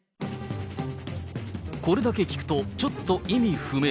これだけ聞くと、ちょっと意味不明。